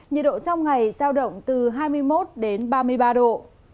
nhiệt độ trong ngày giao động từ hai mươi một đến ba mươi ba độ